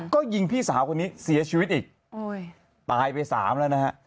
ก็ยิงพี่สาวคนนี้เสียชีวิตอีกตายไปสามแล้วนะฮะ